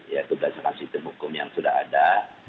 yaitu berdasarkan sistem hukum yang sudah ada